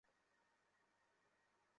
Passport সাইজেরই আছে মে।